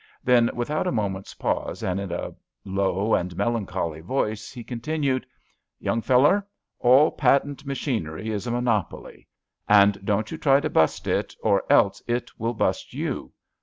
Then without a moment's pause, and in a low and melancholy voice, he .continued :^* Young feller, all patent machinery is a monopoly, and don't you try to bust it or else it will bust you.